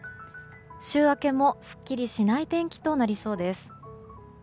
週明けもすっきりしない天気となりそうです。